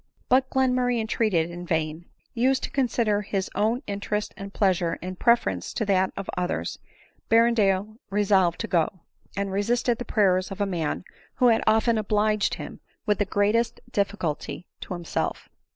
But Glenmurray entreated in vain ; used to consider his own interest and pleasure in preference to that of others, Berrendale re solved to go ; and resisted the prayers of a man wha had often obliged him with the greatest difficulty to him self.